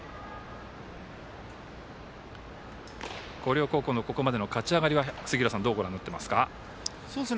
広陵高校のこれまでの勝ち上がりは杉浦さんどうご覧になっていますか？